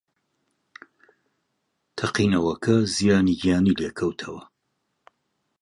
تەقینەوەکە زیانی گیانی لێکەوتەوە